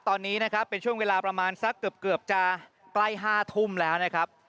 ตอนนี้นะครับเป็นช่วงเวลาประมาณสักเกือบจะใกล้๕ทุ่มแล้วนะครับ